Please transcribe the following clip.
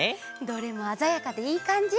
どれもあざやかでいいかんじ！